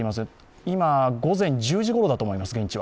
現地は今、午前１０時ごろだと思います。